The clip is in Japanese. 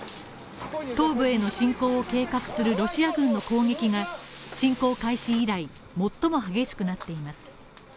東部への進行を計画するロシア軍の攻撃が侵攻開始以来、最も激しくなっています。